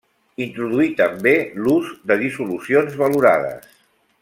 Introduí també l'ús de dissolucions valorades.